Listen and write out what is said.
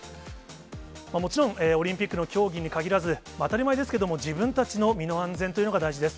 もちろん、オリンピックの競技にかぎらず、当たり前ですけれども、自分たちの身の安全というのが大事です。